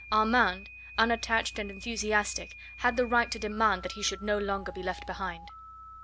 Armand unattached and enthusiastic had the right to demand that he should no longer be left behind.